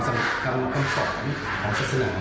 ด้วยความสำคัญคำสอนศาสนา